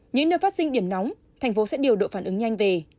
những nơi phát sinh điểm nóng thành phố sẽ điều độ phản ứng nhanh về